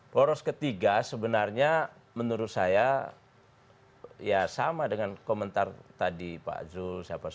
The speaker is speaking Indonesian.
poros ketiga sebenarnya menurut saya ya sama dengan komentar tadi pak zul siapa